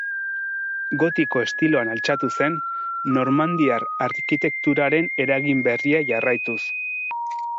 Gotiko estiloan altxatu zen, Normandiar arkitekturaren eragin berria jarraituz.